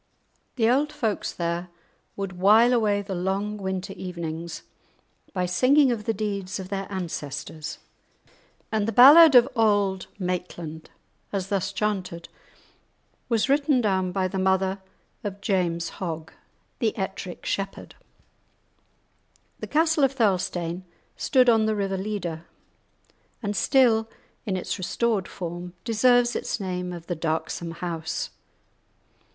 The old folks there would while away the long winter evenings by singing of the deeds of their ancestors, and the ballad of Auld Maitland, as thus chanted, was written down by the mother of James Hogg, the "Ettrick Shepherd." The castle of Thirlestane stood on the river Leader, and still, in its restored form, deserves its name of "the darksome house."